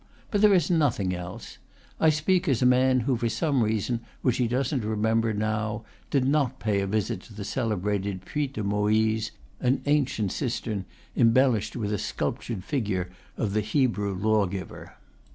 But there is nothing else. I speak as a man who for some reason which he doesn't remem ber now, did not pay a visit to the celebrated Puits de Moise, an ancient cistern, embellished with a sculp tured figure of the Hebrew lawgiver.